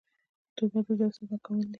توبه د زړه صفا کول دي.